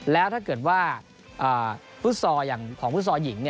แล้วถ้าเกิดว่าฟุตซอลอย่างของฟุตซอลหญิง